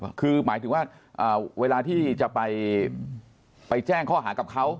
คือหมายถึงว่าเวลาที่จะไปแจ้งข้อหากับเขา